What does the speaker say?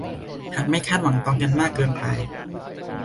หากไม่คาดหวังต่อกันมากเกินไป